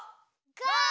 ゴー！